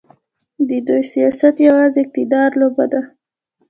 د دوی سیاست یوازې د اقتدار لوبه ده.